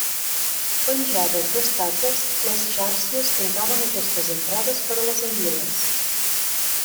Penjades d'estaques, les xàrcies tancaven aquestes entrades per a les anguiles.